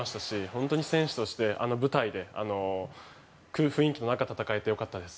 本当に選手としてあの舞台でいい雰囲気の中戦えてよかったです。